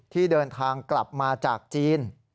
ที่เดินทางกลับมาจากจีน